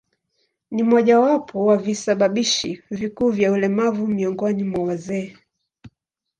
Ni mojawapo ya visababishi vikuu vya ulemavu miongoni mwa wazee.